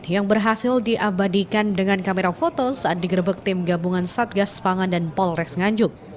yang berhasil diabadikan dengan kamera foto saat digerebek tim gabungan satgas pangan dan polres nganjuk